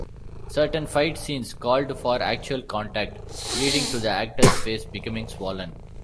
Certain fight scenes called for actual contact, leading to the actor's face becoming swollen.